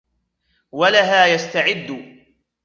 وَلَهَا يَسْتَعِدُّ